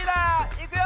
いくよ！